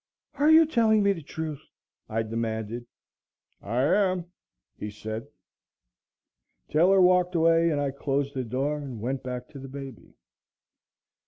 "Are you telling me the truth?" I demanded. "I am," he said. Taylor walked away and I closed the door and went back to the baby.